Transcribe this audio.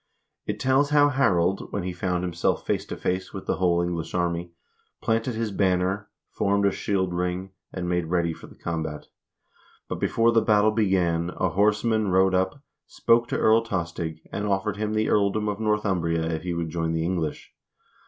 It tells how Harald, when he found himself face to face with the whole English army, planted his banner, formed a shield ring, and made ready for the combat. But before the battle began, a horseman rode up, spoke to Earl Tostig, and offered him the earldom of Northumbria if he would join the English.